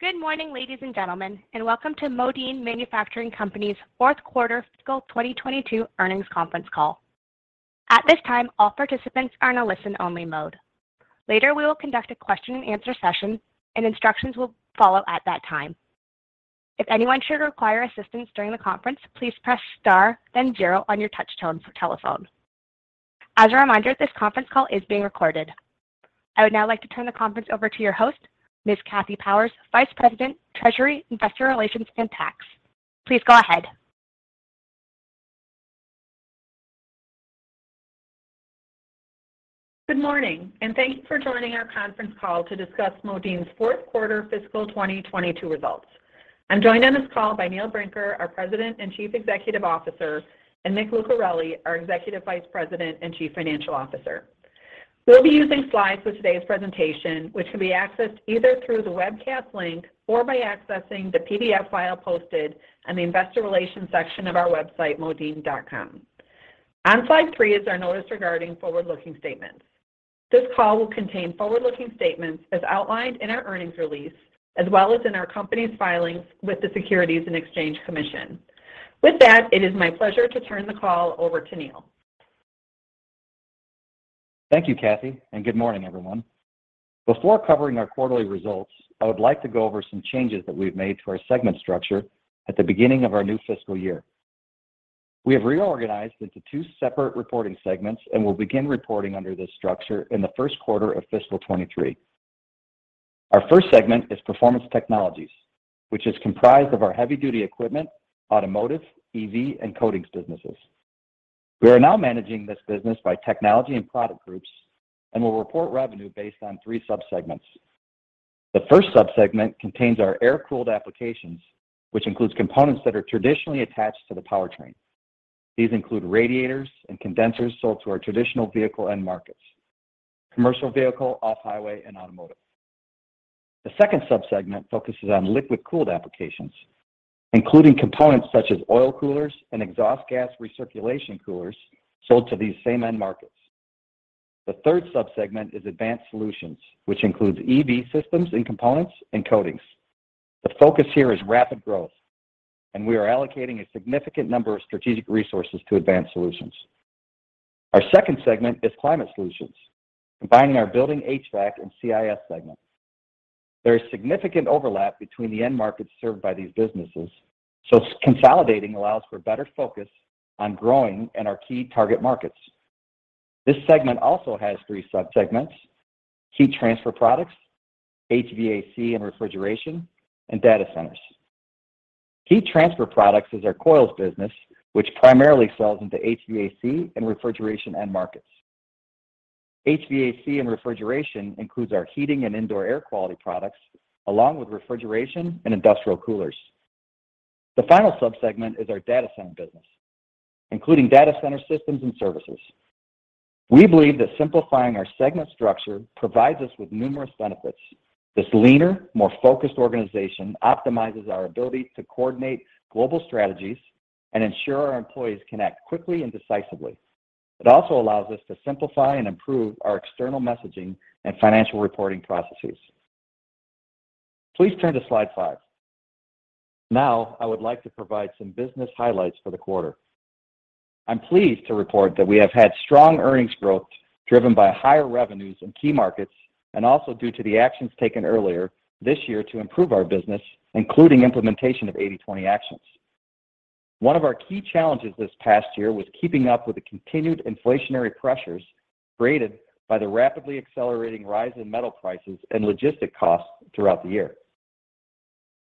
Good morning, ladies and gentlemen, and welcome to Modine Manufacturing Company's fourth quarter fiscal 2022 earnings conference call. At this time, all participants are in a listen-only mode. Later, we will conduct a question-and-answer session, and instructions will follow at that time. If anyone should require assistance during the conference, please press star then zero on your touch tone for telephone. As a reminder, this conference call is being recorded. I would now like to turn the conference over to your host, Ms. Kathy Powers, Vice President, Treasury, Investor Relations and Tax. Please go ahead. Good morning, and thank you for joining our conference call to discuss Modine's fourth quarter fiscal 2022 results. I'm joined on this call by Neil Brinker, our President and Chief Executive Officer, and Mick Lucareli, our Executive Vice President and Chief Financial Officer. We'll be using slides for today's presentation, which can be accessed either through the webcast link or by accessing the PDF file posted on the investor relations section of our website, modine.com. On slide three is our notice regarding forward-looking statements. This call will contain forward-looking statements as outlined in our earnings release, as well as in our company's filings with the Securities and Exchange Commission. With that, it is my pleasure to turn the call over to Neil. Thank you, Kathy, and good morning, everyone. Before covering our quarterly results, I would like to go over some changes that we've made to our segment structure at the beginning of our new fiscal year. We have reorganized into two separate reporting segments and will begin reporting under this structure in the first quarter of fiscal 2023. Our first segment is Performance Technologies, which is comprised of our heavy-duty equipment, automotive, EV, and coatings businesses. We are now managing this business by technology and product groups and will report revenue based on three subsegments. The first subsegment contains our air-cooled applications, which includes components that are traditionally attached to the powertrain. These include radiators and condensers sold to our traditional vehicle end markets, commercial vehicle, off-highway, and automotive. The second subsegment focuses on liquid-cooled applications, including components such as oil coolers and exhaust gas recirculation coolers sold to these same end markets. The third subsegment is advanced solutions, which includes EV systems and components and coatings. The focus here is rapid growth, and we are allocating a significant number of strategic resources to advanced solutions. Our second segment is Climate Solutions, combining our Building HVAC and CIS segments. There is significant overlap between the end markets served by these businesses, so consolidating allows for better focus on growing in our key target markets. This segment also has three subsegments, heat transfer products, HVAC and refrigeration, and data centers. Heat transfer products is our coils business, which primarily sells into HVAC and refrigeration end markets. HVAC and refrigeration includes our heating and indoor air quality products, along with refrigeration and industrial coolers. The final subsegment is our data center business, including data center systems and services. We believe that simplifying our segment structure provides us with numerous benefits. This leaner, more focused organization optimizes our ability to coordinate global strategies and ensure our employees can act quickly and decisively. It also allows us to simplify and improve our external messaging and financial reporting processes. Please turn to slide five. Now, I would like to provide some business highlights for the quarter. I'm pleased to report that we have had strong earnings growth driven by higher revenues in key markets and also due to the actions taken earlier this year to improve our business, including implementation of 80/20 actions. One of our key challenges this past year was keeping up with the continued inflationary pressures created by the rapidly accelerating rise in metal prices and logistics costs throughout the year.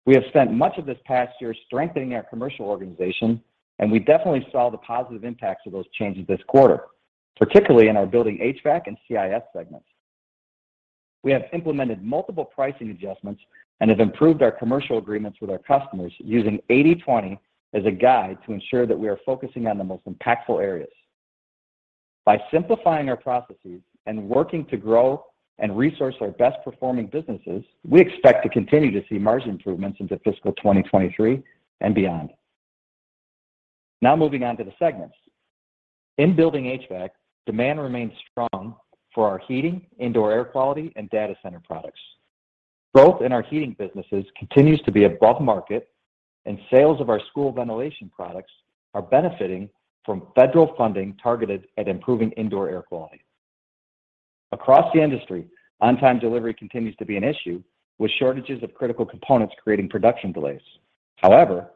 We have spent much of this past year strengthening our commercial organization, and we definitely saw the positive impacts of those changes this quarter, particularly in our Building HVAC and CIS segments. We have implemented multiple pricing adjustments and have improved our commercial agreements with our customers using 80/20 as a guide to ensure that we are focusing on the most impactful areas. By simplifying our processes and working to grow and resource our best-performing businesses, we expect to continue to see margin improvements into fiscal 2023 and beyond. Now moving on to the segments. In Building HVAC, demand remains strong for our heating, indoor air quality, and data center products. Growth in our heating businesses continues to be above market, and sales of our school ventilation products are benefiting from federal funding targeted at improving indoor air quality. Across the industry, on-time delivery continues to be an issue, with shortages of critical components creating production delays. However,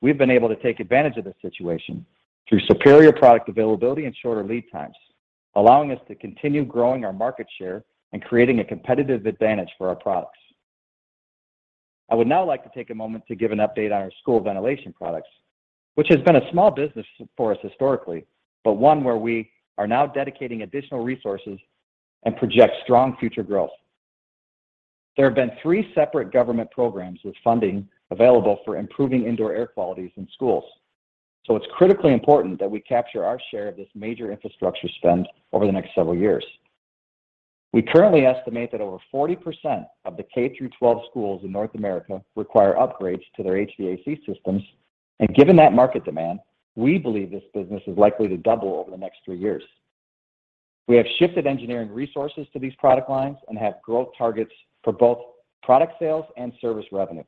we've been able to take advantage of this situation through superior product availability and shorter lead times, allowing us to continue growing our market share and creating a competitive advantage for our products. I would now like to take a moment to give an update on our school ventilation products, which has been a small business for us historically, but one where we are now dedicating additional resources and project strong future growth. There have been three separate government programs with funding available for improving indoor air quality in schools. It's critically important that we capture our share of this major infrastructure spend over the next several years. We currently estimate that over 40% of the K-12 schools in North America require upgrades to their HVAC systems. Given that market demand, we believe this business is likely to double over the next three years. We have shifted engineering resources to these product lines and have growth targets for both product sales and service revenue.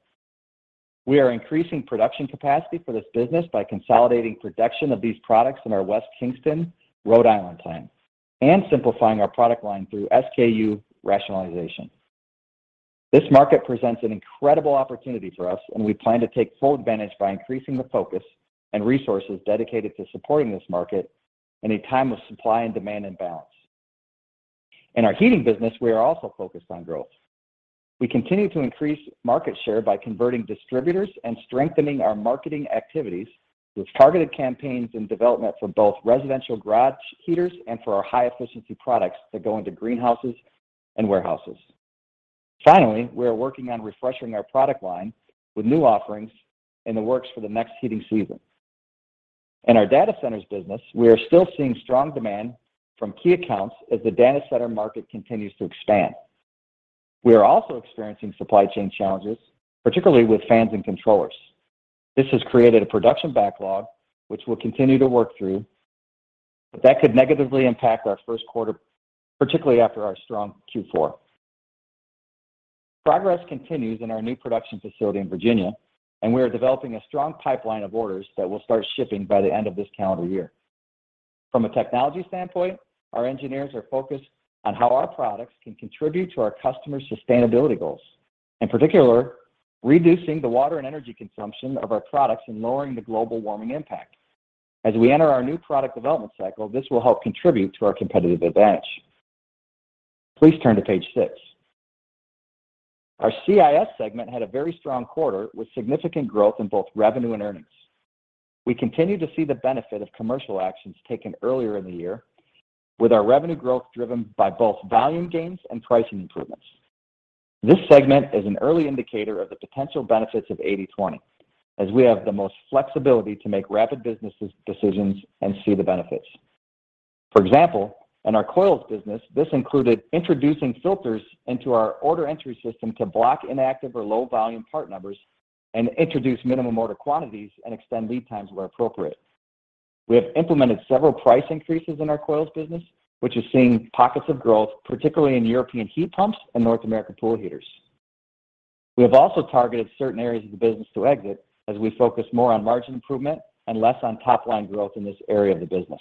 We are increasing production capacity for this business by consolidating production of these products in our West Kingston, Rhode Island plant and simplifying our product line through SKU rationalization. This market presents an incredible opportunity for us, and we plan to take full advantage by increasing the focus and resources dedicated to supporting this market in a time of supply and demand imbalance. In our heating business, we are also focused on growth. We continue to increase market share by converting distributors and strengthening our marketing activities with targeted campaigns in development for both residential garage heaters and for our high efficiency products that go into greenhouses and warehouses. Finally, we are working on refreshing our product line with new offerings in the works for the next heating season. In our data centers business, we are still seeing strong demand from key accounts as the data center market continues to expand. We are also experiencing supply chain challenges, particularly with fans and controllers. This has created a production backlog, which we'll continue to work through, but that could negatively impact our first quarter, particularly after our strong Q4. Progress continues in our new production facility in Virginia, and we are developing a strong pipeline of orders that will start shipping by the end of this calendar year. From a technology standpoint, our engineers are focused on how our products can contribute to our customers' sustainability goals. In particular, reducing the water and energy consumption of our products and lowering the global warming impact. As we enter our new product development cycle, this will help contribute to our competitive advantage. Please turn to page 6. Our CIS segment had a very strong quarter with significant growth in both revenue and earnings. We continue to see the benefit of commercial actions taken earlier in the year with our revenue growth driven by both volume gains and pricing improvements. This segment is an early indicator of the potential benefits of 80/20, as we have the most flexibility to make rapid business decisions and see the benefits. For example, in our coils business, this included introducing filters into our order entry system to block inactive or low-volume part numbers and introduce minimum order quantities and extend lead times where appropriate. We have implemented several price increases in our coils business, which is seeing pockets of growth, particularly in European heat pumps and North American pool heaters. We have also targeted certain areas of the business to exit as we focus more on margin improvement and less on top line growth in this area of the business.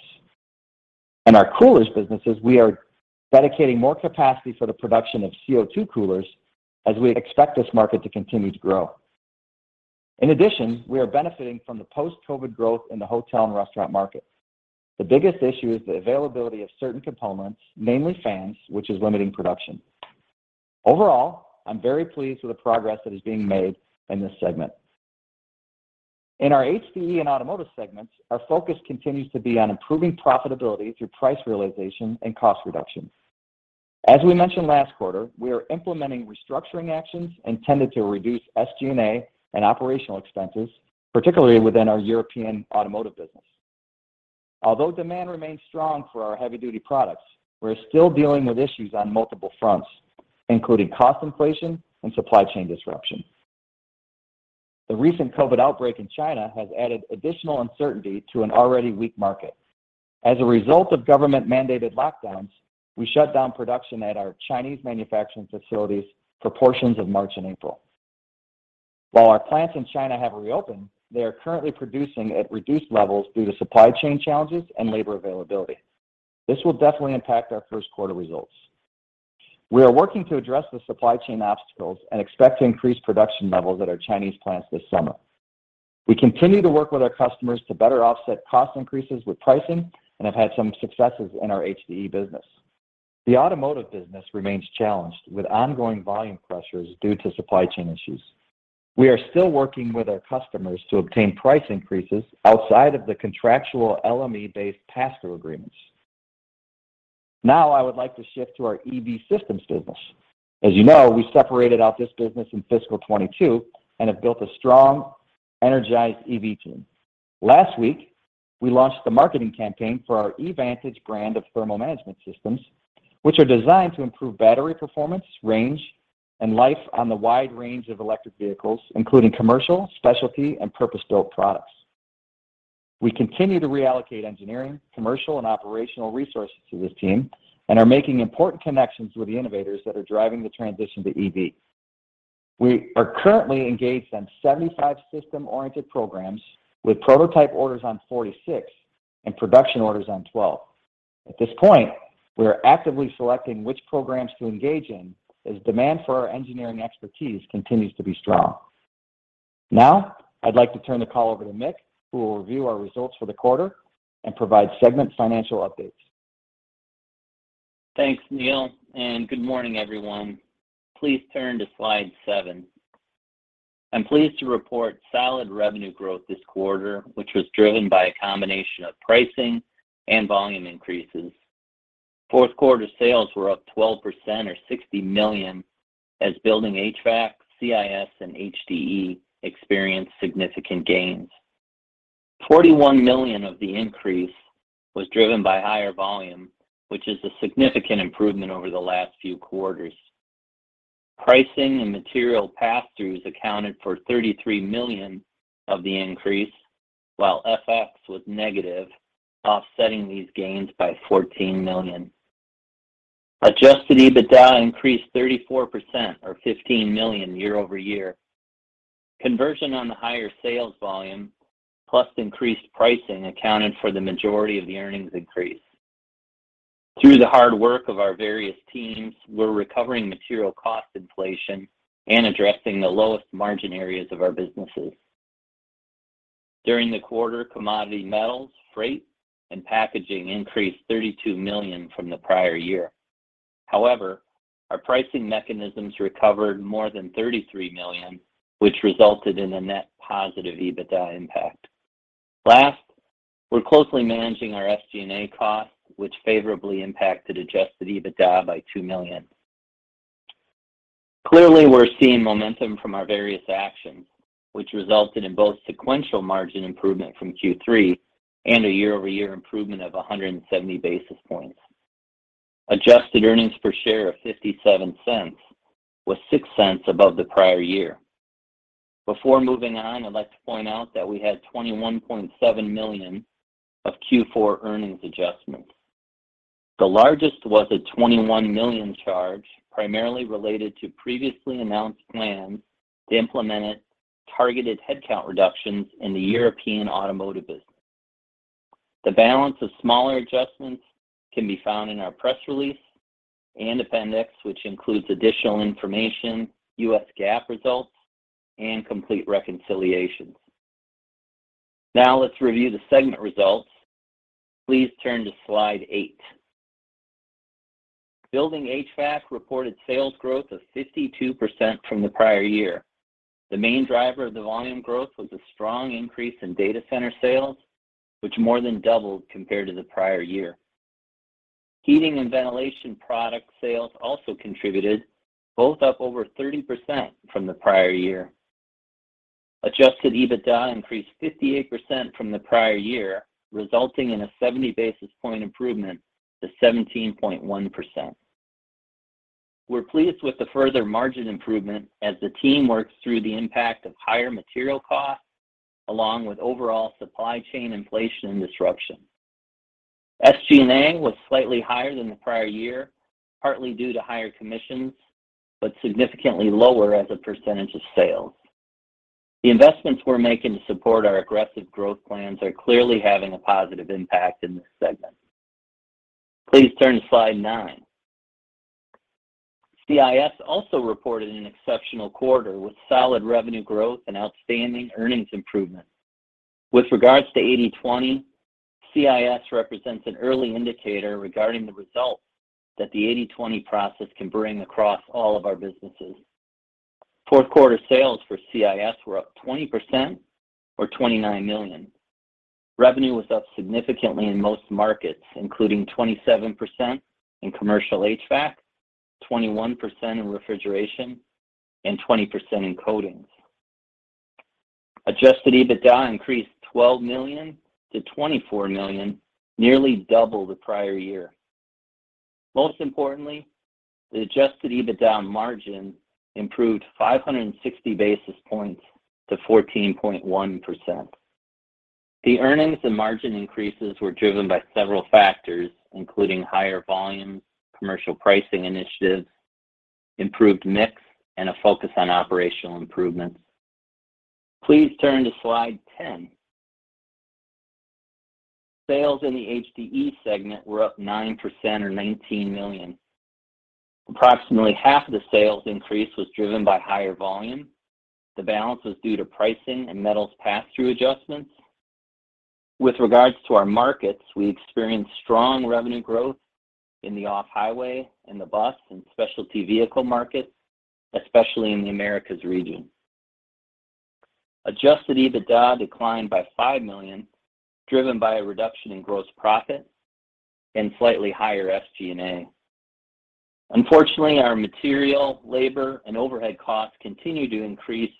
In our coolers businesses, we are dedicating more capacity for the production of CO2 coolers as we expect this market to continue to grow. In addition, we are benefiting from the post-COVID growth in the hotel and restaurant market. The biggest issue is the availability of certain components, namely fans, which is limiting production. Overall, I'm very pleased with the progress that is being made in this segment. In our HDE and automotive segments, our focus continues to be on improving profitability through price realization and cost reductions. As we mentioned last quarter, we are implementing restructuring actions intended to reduce SG&A and operational expenses, particularly within our European automotive business. Although demand remains strong for our heavy-duty products, we're still dealing with issues on multiple fronts, including cost inflation and supply chain disruptions. The recent COVID outbreak in China has added additional uncertainty to an already weak market. As a result of government-mandated lockdowns, we shut down production at our Chinese manufacturing facilities for portions of March and April. While our plants in China have reopened, they are currently producing at reduced levels due to supply chain challenges and labor availability. This will definitely impact our first quarter results. We are working to address the supply chain obstacles and expect to increase production levels at our Chinese plants this summer. We continue to work with our customers to better offset cost increases with pricing and have had some successes in our HDE business. The automotive business remains challenged with ongoing volume pressures due to supply chain issues. We are still working with our customers to obtain price increases outside of the contractual LME-based pass-through agreements. Now I would like to shift to our EV systems business. As you know, we separated out this business in fiscal 2022 and have built a strong, energized EV team. Last week, we launched the marketing campaign for our EVantage brand of thermal management systems, which are designed to improve battery performance, range, and life on the wide range of electric vehicles, including commercial, specialty, and purpose-built products. We continue to reallocate engineering, commercial, and operational resources to this team and are making important connections with the innovators that are driving the transition to EV. We are currently engaged on 75 system-oriented programs with prototype orders on 46 and production orders on 12. At this point, we are actively selecting which programs to engage in as demand for our engineering expertise continues to be strong. Now I'd like to turn the call over to Mick, who will review our results for the quarter and provide segment financial updates. Thanks, Neil, and good morning, everyone. Please turn to slide seven. I'm pleased to report solid revenue growth this quarter, which was driven by a combination of pricing and volume increases. Fourth quarter sales were up 12% or $60 million as Building HVAC, CIS, and HDE experienced significant gains. $41 million of the increase was driven by higher volume, which is a significant improvement over the last few quarters. Pricing and material pass-throughs accounted for $33 million of the increase, while FX was negative, offsetting these gains by $14 million. Adjusted EBITDA increased 34% or $15 million year-over-year. Conversion on the higher sales volume plus increased pricing accounted for the majority of the earnings increase. Through the hard work of our various teams, we're recovering material cost inflation and addressing the lowest margin areas of our businesses. During the quarter, commodity metals, freight, and packaging increased $32 million from the prior year. However, our pricing mechanisms recovered more than $33 million, which resulted in a net positive EBITDA impact. Last, we're closely managing our SG&A costs, which favorably impacted adjusted EBITDA by $2 million. Clearly, we're seeing momentum from our various actions, which resulted in both sequential margin improvement from Q3 and a year-over-year improvement of 170 basis points. Adjusted earnings per share of $0.57 was $0.06 above the prior year. Before moving on, I'd like to point out that we had $21.7 million of Q4 earnings adjustments. The largest was a $21 million charge, primarily related to previously announced plans to implement targeted headcount reductions in the European automotive business. The balance of smaller adjustments can be found in our press release and appendix, which includes additional information, U.S. GAAP results, and complete reconciliations. Now let's review the segment results. Please turn to slide eight. Building HVAC reported sales growth of 52% from the prior year. The main driver of the volume growth was a strong increase in data center sales, which more than doubled compared to the prior year. Heating and ventilation product sales also contributed, both up over 30% from the prior year. Adjusted EBITDA increased 58% from the prior year, resulting in a 70 basis point improvement to 17.1%. We're pleased with the further margin improvement as the team works through the impact of higher material costs along with overall supply chain inflation and disruption. SG&A was slightly higher than the prior year, partly due to higher commissions, but significantly lower as a percentage of sales. The investments we're making to support our aggressive growth plans are clearly having a positive impact in this segment. Please turn to slide nine. CIS also reported an exceptional quarter with solid revenue growth and outstanding earnings improvement. With regards to 80/20, CIS represents an early indicator regarding the results that the 80/20 process can bring across all of our businesses. Fourth quarter sales for CIS were up 20% or $29 million. Revenue was up significantly in most markets, including 27% in commercial HVAC, 21% in refrigeration, and 20% in coatings. Adjusted EBITDA increased $12 million to $24 million, nearly double the prior year. Most importantly, the adjusted EBITDA margin improved 560 basis points to 14.1%. The earnings and margin increases were driven by several factors, including higher volumes, commercial pricing initiatives, improved mix, and a focus on operational improvements. Please turn to slide 10. Sales in the HDE segment were up 9% or $19 million. Approximately half of the sales increase was driven by higher volume. The balance was due to pricing and metals pass-through adjustments. With regards to our markets, we experienced strong revenue growth in the off-highway, in the bus, and specialty vehicle markets, especially in the Americas region. Adjusted EBITDA declined by $5 million, driven by a reduction in gross profit and slightly higher SG&A. Unfortunately, our material, labor, and overhead costs continued to increase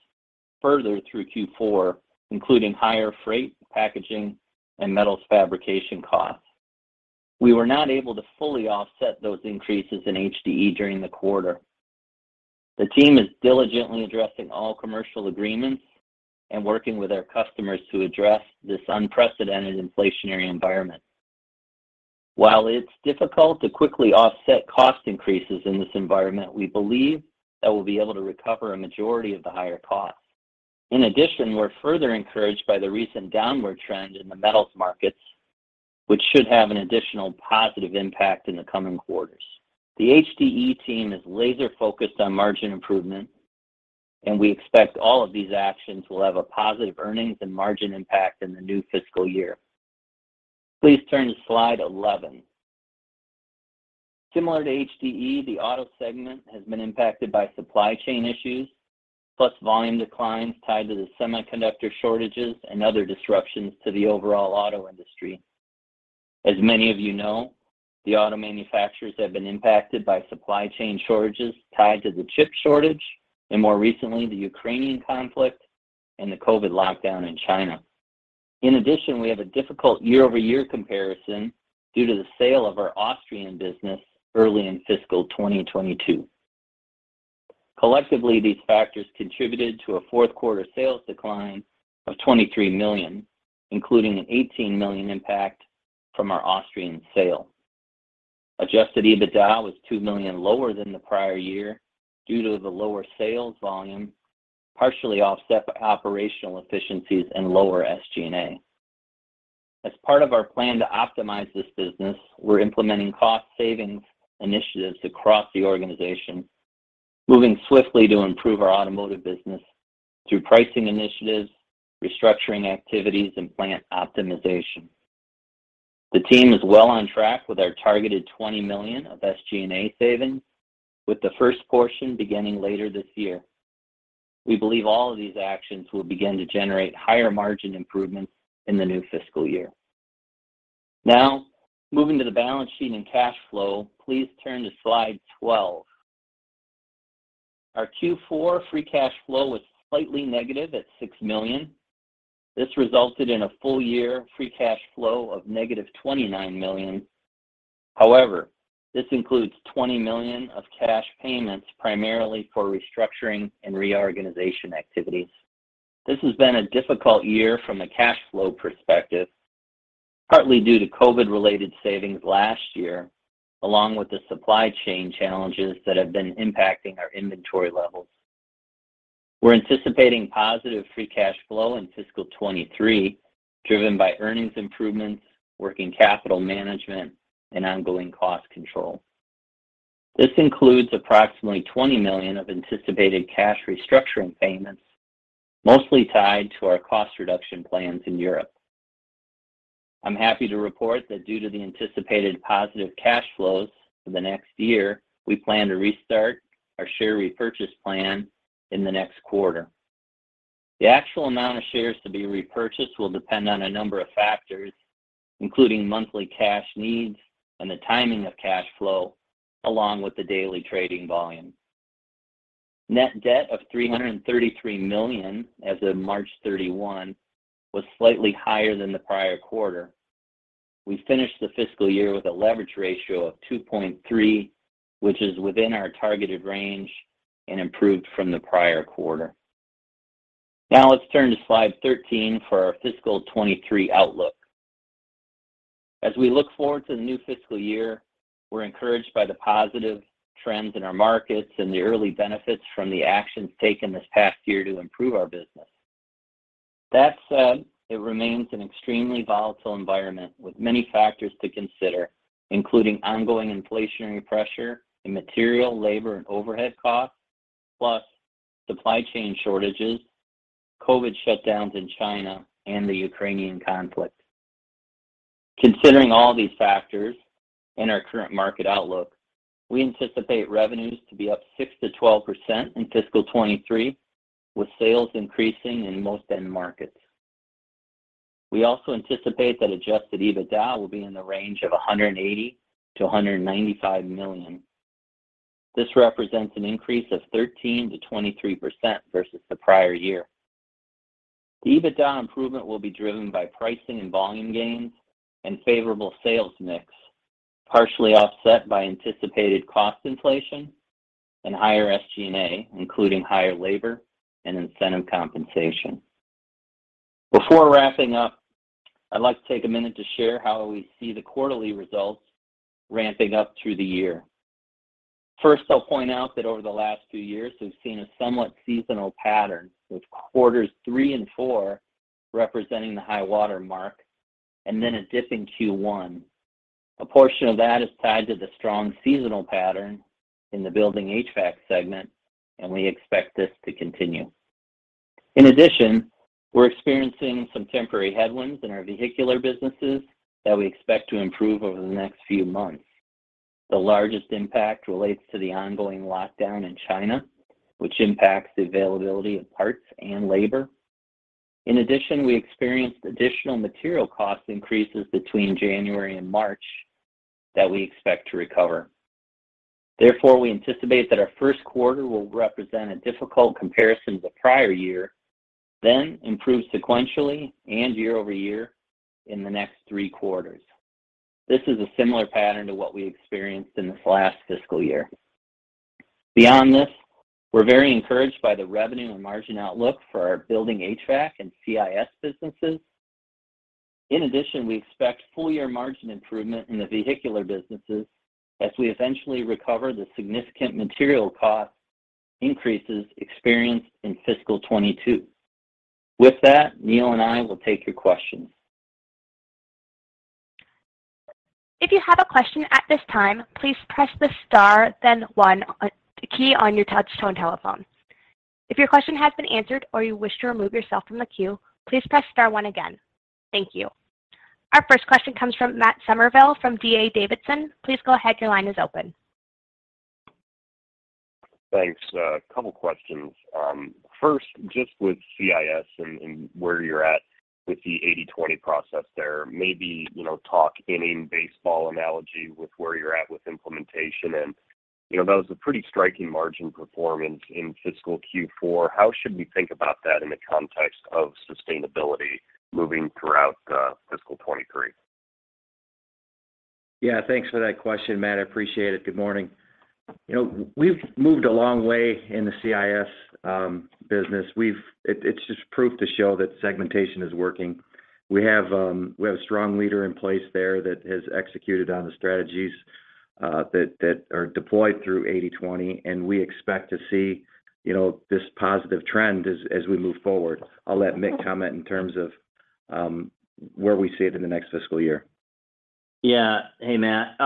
further through Q4, including higher freight, packaging, and metals fabrication costs. We were not able to fully offset those increases in HDE during the quarter. The team is diligently addressing all commercial agreements and working with our customers to address this unprecedented inflationary environment. While it's difficult to quickly offset cost increases in this environment, we believe that we'll be able to recover a majority of the higher costs. In addition, we're further encouraged by the recent downward trend in the metals markets, which should have an additional positive impact in the coming quarters. The HDE team is laser-focused on margin improvement, and we expect all of these actions will have a positive earnings and margin impact in the new fiscal year. Please turn to slide 11. Similar to HDE, the auto segment has been impacted by supply chain issues plus volume declines tied to the semiconductor shortages and other disruptions to the overall auto industry. As many of you know, the auto manufacturers have been impacted by supply chain shortages tied to the chip shortage and more recently, the Ukrainian conflict and the COVID lockdown in China. In addition, we have a difficult year-over-year comparison due to the sale of our Austrian business early in fiscal 2022. Collectively, these factors contributed to a fourth quarter sales decline of $23 million, including an $18 million impact from our Austrian sale. Adjusted EBITDA was $2 million lower than the prior year due to the lower sales volume, partially offset by operational efficiencies and lower SG&A. As part of our plan to optimize this business, we're implementing cost savings initiatives across the organization, moving swiftly to improve our automotive business through pricing initiatives, restructuring activities, and plant optimization. The team is well on track with our targeted $20 million of SG&A savings, with the first portion beginning later this year. We believe all of these actions will begin to generate higher margin improvements in the new fiscal year. Now, moving to the balance sheet and cash flow, please turn to slide 12. Our Q4 free cash flow was slightly negative at $6 million. This resulted in a full-year free cash flow of negative $29 million. However, this includes $20 million of cash payments primarily for restructuring and reorganization activities. This has been a difficult year from a cash flow perspective, partly due to COVID-related savings last year, along with the supply chain challenges that have been impacting our inventory levels. We're anticipating positive free cash flow in fiscal 2023, driven by earnings improvements, working capital management, and ongoing cost control. This includes approximately $20 million of anticipated cash restructuring payments, mostly tied to our cost reduction plans in Europe. I'm happy to report that due to the anticipated positive cash flows for the next year, we plan to restart our share repurchase plan in the next quarter. The actual amount of shares to be repurchased will depend on a number of factors, including monthly cash needs and the timing of cash flow, along with the daily trading volume. Net debt of $333 million as of March 31 was slightly higher than the prior quarter. We finished the fiscal year with a leverage ratio of 2.3, which is within our targeted range and improved from the prior quarter. Now let's turn to slide 13 for our fiscal 2023 outlook. As we look forward to the new fiscal year, we're encouraged by the positive trends in our markets and the early benefits from the actions taken this past year to improve our business. That said, it remains an extremely volatile environment with many factors to consider, including ongoing inflationary pressure in material, labor, and overhead costs, plus supply chain shortages, COVID shutdowns in China, and the Ukrainian conflict. Considering all these factors and our current market outlook, we anticipate revenues to be up 6%-12% in fiscal 2023, with sales increasing in most end markets. We also anticipate that adjusted EBITDA will be in the range of $180 million-$195 million. This represents an increase of 13%-23% versus the prior year. The EBITDA improvement will be driven by pricing and volume gains and favorable sales mix, partially offset by anticipated cost inflation and higher SG&A, including higher labor and incentive compensation. Before wrapping up, I'd like to take a minute to share how we see the quarterly results ramping up through the year. First, I'll point out that over the last few years, we've seen a somewhat seasonal pattern, with quarters three and four representing the high-water mark and then a dip in Q1. A portion of that is tied to the strong seasonal pattern in the building HVAC segment, and we expect this to continue. In addition, we're experiencing some temporary headwinds in our vehicular businesses that we expect to improve over the next few months. The largest impact relates to the ongoing lockdown in China, which impacts the availability of parts and labor. In addition, we experienced additional material cost increases between January and March that we expect to recover. Therefore, we anticipate that our first quarter will represent a difficult comparison to the prior year, then improve sequentially and year-over-year in the next three quarters. This is a similar pattern to what we experienced in this last fiscal year. Beyond this, we're very encouraged by the revenue and margin outlook for our Building HVAC and CIS businesses. In addition, we expect full-year margin improvement in the vehicular businesses as we eventually recover the significant material cost increases experienced in fiscal 2022. With that, Neil and I will take your questions. If you have a question at this time, please press the star then one key on your touch tone telephone. If your question has been answered or you wish to remove yourself from the queue, please press star one again. Thank you. Our first question comes from Matt Summerville from D.A. Davidson. Please go ahead. Your line is open. Thanks. A couple questions. First, just with CIS and where you're at with the 80/20 process there, maybe, you know, talk in a baseball analogy with where you're at with implementation and you know, that was a pretty striking margin performance in fiscal Q4. How should we think about that in the context of sustainability moving throughout fiscal 2023? Yeah, thanks for that question, Matt. I appreciate it. Good morning. You know, we've moved a long way in the CIS business. It's just proof to show that segmentation is working. We have a strong leader in place there that has executed on the strategies that are deployed through 80/20, and we expect to see, you know, this positive trend as we move forward. I'll let Mick comment in terms of where we see it in the next fiscal year. Yeah. Hey, Matt.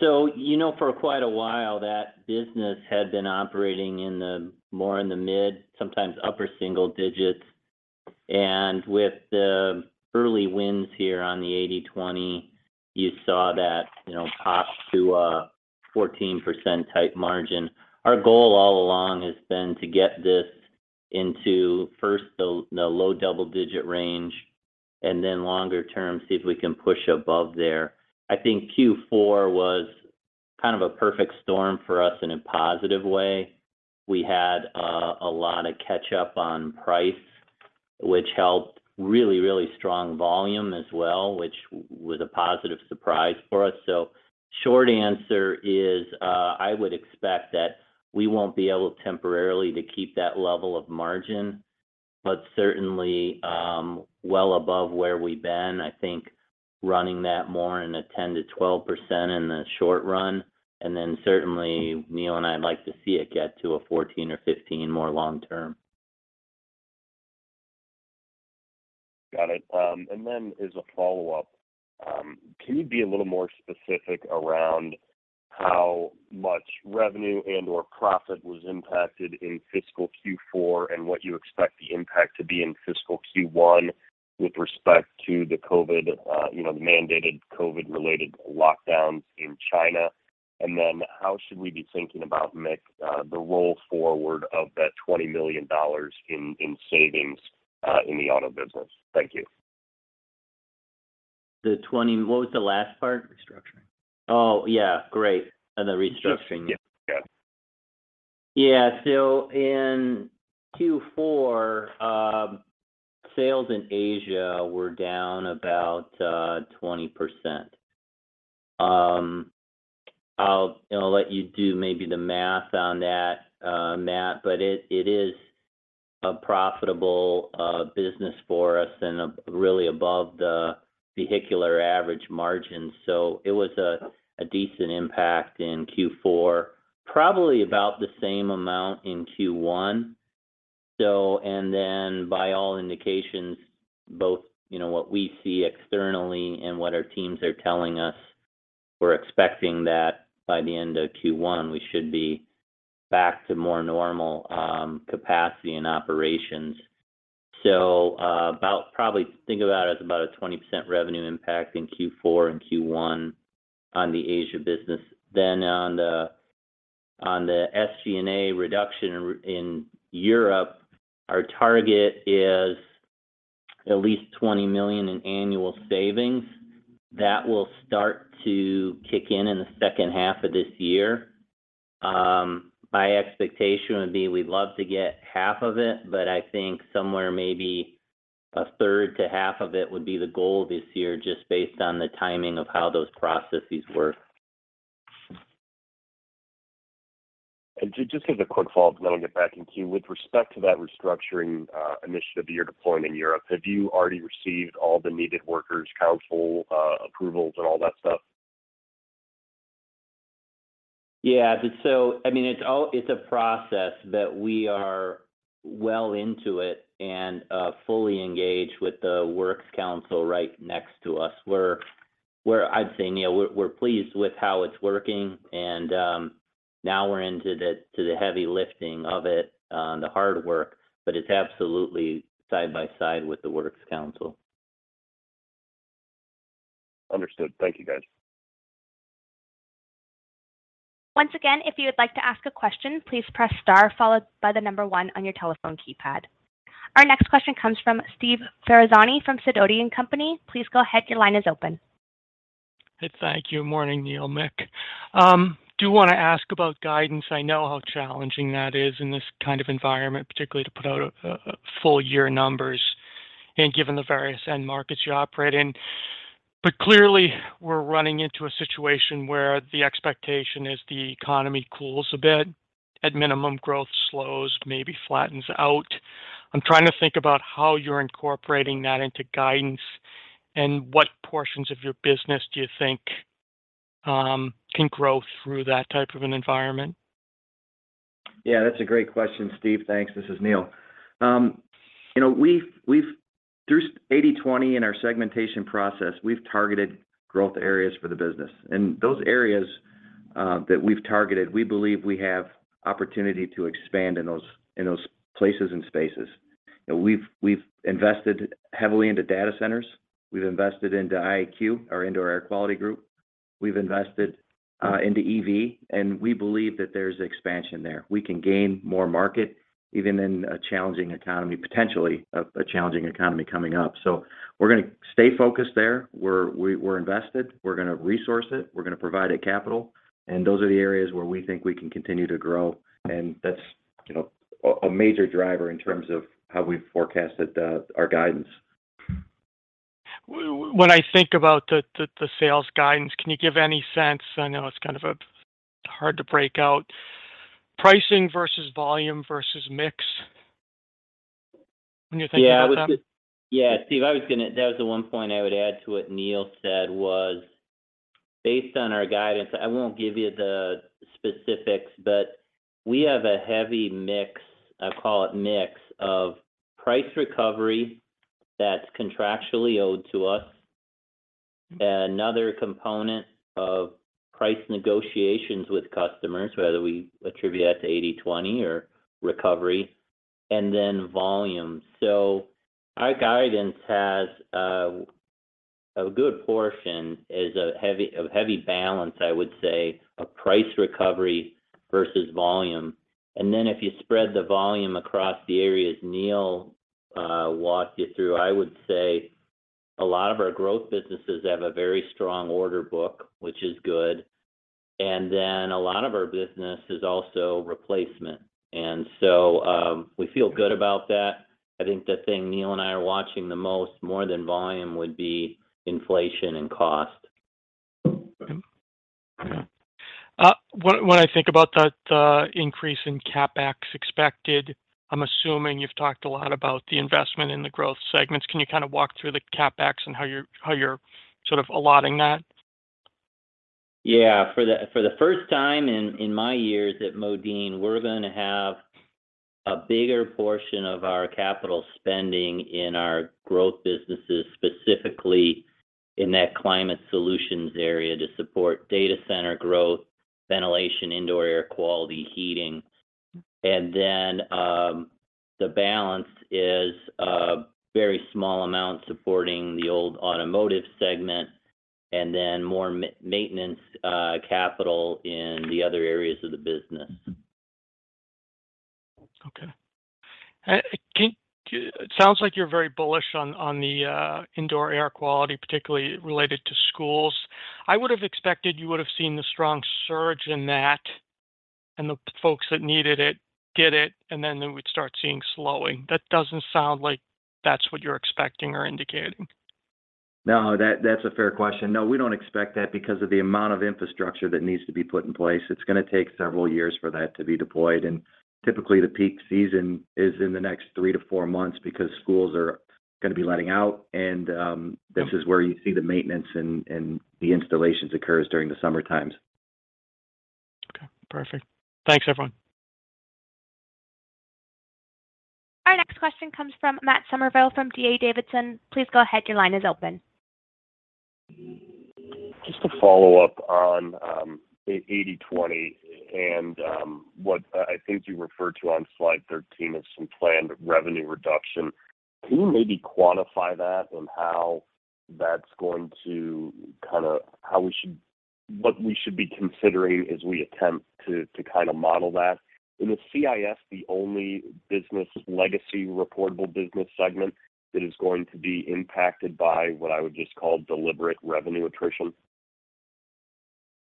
So you know, for quite a while, that business had been operating more in the mid, sometimes upper single digits. With the early wins here on the 80/20, you saw that, you know, pop to a 14% type margin. Our goal all along has been to get this into first the low double-digit range, and then longer term, see if we can push above there. I think Q4 was kind of a perfect storm for us in a positive way. We had a lot of catch-up on price, which helped. Really strong volume as well, which was a positive surprise for us. Short answer is, I would expect that we won't be able temporarily to keep that level of margin, but certainly well above where we've been. I think running that at a 10%-12% in the short run, and then certainly Neil and I'd like to see it get to a 14% or 15% in the long term. Got it. As a follow-up, can you be a little more specific around how much revenue and/or profit was impacted in fiscal Q4 and what you expect the impact to be in fiscal Q1 with respect to the COVID, you know, the mandated COVID-related lockdowns in China? How should we be thinking about, Mick, the roll forward of that $20 million in savings in the auto business? Thank you. What was the last part? Restructuring. Oh, yeah, great. On the restructuring. Yes. Yeah, yeah. Yeah. In Q4, sales in Asia were down about 20%. I'll let you do maybe the math on that, Matt, but it is a profitable business for us and really above the vehicular average margin. It was a decent impact in Q4, probably about the same amount in Q1. By all indications, both what we see externally and what our teams are telling us, we're expecting that by the end of Q1 we should be back to more normal capacity and operations. About probably think about it as about a 20% revenue impact in Q4 and Q1 on the Asia business. On the SG&A reduction in Europe, our target is at least $20 million in annual savings. That will start to kick in in the second half of this year. My expectation would be we'd love to get half of it, but I think somewhere maybe a third to half of it would be the goal this year just based on the timing of how those processes work. Just as a quick follow-up and then I'll get back in queue. With respect to that restructuring initiative that you're deploying in Europe, have you already received all the needed works council approvals and all that stuff? Yeah. I mean, it's a process that we are well into it and fully engaged with the works council right next to us. We're, I'd say, Neil, we're pleased with how it's working and now we're into the heavy lifting of it, the hard work, but it's absolutely side by side with the works council. Understood. Thank you, guys. Once again, if you would like to ask a question, please press star followed by the number one on your telephone keypad. Our next question comes from Steve Ferazani from Sidoti & Company. Please go ahead, your line is open. Thank you. Morning, Neil, Mick. Do wanna ask about guidance. I know how challenging that is in this kind of environment, particularly to put out a full year numbers and given the various end markets you operate in. Clearly we're running into a situation where the expectation is the economy cools a bit. At minimum, growth slows, maybe flattens out. I'm trying to think about how you're incorporating that into guidance and what portions of your business do you think can grow through that type of an environment? Yeah, that's a great question, Steve. Thanks. This is Neil. You know, we've through 80/20 and our segmentation process, we've targeted growth areas for the business. Those areas that we've targeted, we believe we have opportunity to expand in those places and spaces. You know, we've invested heavily into data centers. We've invested into IAQ, our indoor air quality group. We've invested into EV, and we believe that there's expansion there. We can gain more market even in a challenging economy, potentially a challenging economy coming up. We're gonna stay focused there. We're invested. We're gonna resource it. We're gonna provide it capital. Those are the areas where we think we can continue to grow. You know, a major driver in terms of how we've forecasted our guidance. When I think about the sales guidance, can you give any sense? I know it's kind of hard to break out pricing versus volume versus mix when you're thinking about that? Yeah, Steve, I was gonna. That was the one point I would add to what Neil said was based on our guidance, I won't give you the specifics, but we have a heavy mix, I call it mix, of price recovery that's contractually owed to us. Another component of price negotiations with customers, whether we attribute that to 80/20 or recovery, and then volume. Our guidance has a good portion, is a heavy balance, I would say, of price recovery versus volume. If you spread the volume across the areas Neil walked you through, I would say a lot of our growth businesses have a very strong order book, which is good, and then a lot of our business is also replacement. We feel good about that. I think the thing Neil and I are watching the most more than volume would be inflation and cost. Okay. When I think about that increase in CapEx expected, I'm assuming you've talked a lot about the investment in the growth segments. Can you kind of walk through the CapEx and how you're sort of allotting that? Yeah. For the first time in my years at Modine, we're gonna have a bigger portion of our capital spending in our growth businesses, specifically in that Climate Solutions area to support data center growth, ventilation, indoor air quality, heating. The balance is a very small amount supporting the old automotive segment and then more maintenance capital in the other areas of the business. It sounds like you're very bullish on the indoor air quality, particularly related to schools. I would have expected you would've seen the strong surge in that and the folks that needed it get it, and then we'd start seeing slowing. That doesn't sound like that's what you're expecting or indicating. No, that's a fair question. No, we don't expect that because of the amount of infrastructure that needs to be put in place. It's gonna take several years for that to be deployed, and typically the peak season is in the next 3-4 months because schools are gonna be letting out and this is where you see the maintenance and the installations occurs during the summer times. Okay. Perfect. Thanks, everyone. Our next question comes from Matt Summerville from D.A. Davidson. Please go ahead, your line is open. Just a follow-up on 80/20 and what I think you referred to on slide 13 as some planned revenue reduction. Can you maybe quantify that on what we should be considering as we attempt to kinda model that? Is CIS the only business legacy reportable business segment that is going to be impacted by what I would just call deliberate revenue attrition?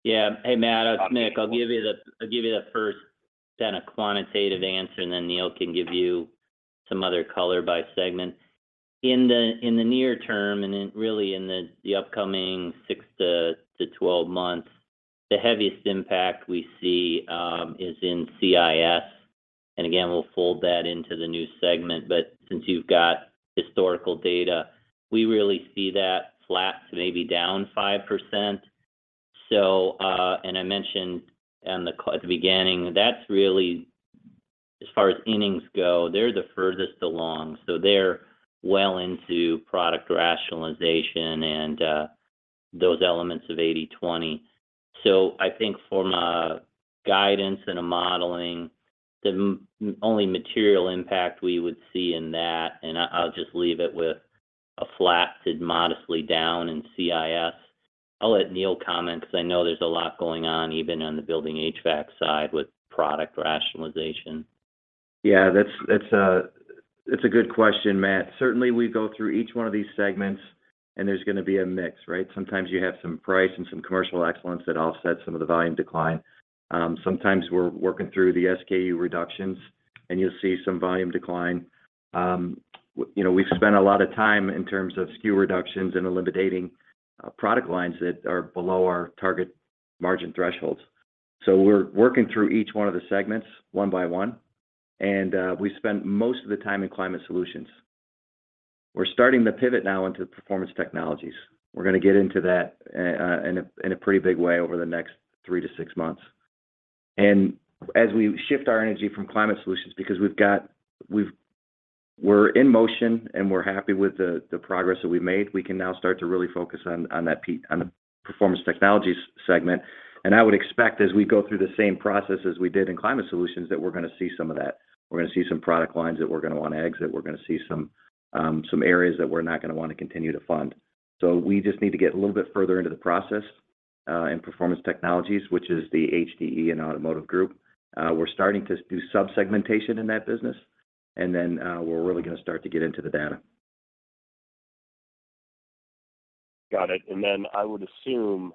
Yeah. Hey, Matt, it's Mick. I'll give you the first then a quantitative answer, and then Neil can give you some other color by segment. In the near term, and then really in the upcoming 6-12 months, the heaviest impact we see is in CIS. Again, we'll fold that into the new segment, but since you've got historical data, we really see that flat to maybe down 5%. I mentioned on the call at the beginning, that's really, as far as innings go, they're the furthest along. They're well into product rationalization and those elements of 80/20. I think from a guidance and a modeling, the only material impact we would see in that, and I'll just leave it with a flat to modestly down in CIS. I'll let Neil comment 'cause I know there's a lot going on even on the Building HVAC side with product rationalization. Yeah. That's a good question, Matt. Certainly, we go through each one of these segments and there's gonna be a mix, right? Sometimes you have some price and some commercial excellence that offsets some of the volume decline. Sometimes we're working through the SKU reductions, and you'll see some volume decline. You know, we've spent a lot of time in terms of SKU reductions and eliminating product lines that are below our target margin thresholds. So we're working through each one of the segments one by one, and we spent most of the time in Climate Solutions. We're starting to pivot now into Performance Technologies. We're gonna get into that in a pretty big way over the next 3-6 months. As we shift our energy from Climate Solutions because we're in motion and we're happy with the progress that we've made, we can now start to really focus on the Performance Technologies segment. I would expect as we go through the same process as we did in Climate Solutions that we're gonna see some of that. We're gonna see some product lines that we're gonna wanna exit. We're gonna see some areas that we're not gonna wanna continue to fund. We just need to get a little bit further into the process in Performance Technologies, which is the HDE and automotive group. We're starting to do sub-segmentation in that business, and then we're really gonna start to get into the data. Got it. I would assume,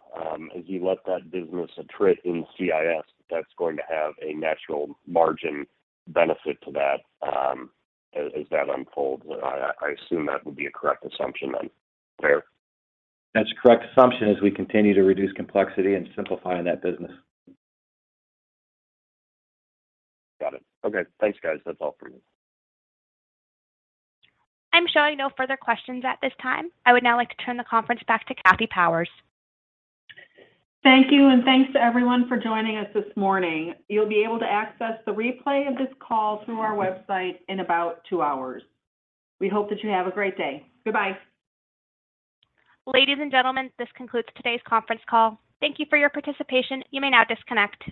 as you let that business attrit in CIS, that's going to have a natural margin benefit to that, as that unfolds. I assume that would be a correct assumption then fair? That's a correct assumption as we continue to reduce complexity and simplify that business. Got it. Okay. Thanks, guys. That's all for me. I'm showing no further questions at this time. I would now like to turn the conference back to Kathy Powers. Thank you and thanks to everyone for joining us this morning. You'll be able to access the replay of this call through our website in about two hours. We hope that you have a great day. Goodbye. Ladies and gentlemen, this concludes today's conference call. Thank you for your participation. You may now disconnect.